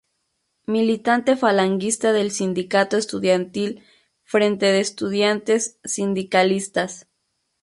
Militante falangista del sindicato estudiantil Frente de Estudiantes Sindicalistas.